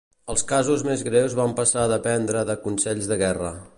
Els casos més greus van passar a dependre de consells de guerra.